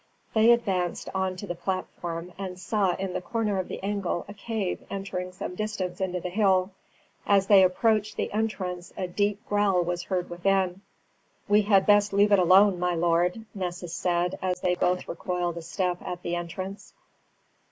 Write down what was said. They advanced on to the platform, and saw in the corner of the angle a cave entering some distance into the hill. As they approached the entrance a deep growl was heard within. "We had best leave it alone, my lord," Nessus said as they both recoiled a step at the entrance.